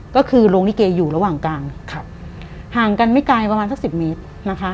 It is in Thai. ก็คือโรงลิเกอยู่ระหว่างกลางครับห่างกันไม่ไกลประมาณสักสิบเมตรนะคะ